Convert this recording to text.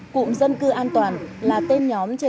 cụm dân cư an toàn là tên nhóm trên đài trung cư